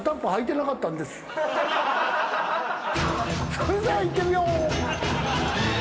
それではいってみよう。